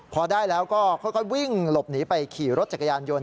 พอได้แล้วก็ค่อยวิ่งหลบหนีไปขี่รถจักรยานยนต